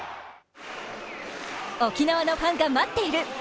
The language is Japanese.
沖縄のファンが待っている。